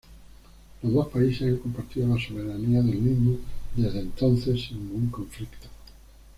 Los dos países han compartido la soberanía del mismo desde entonces sin ningún conflicto.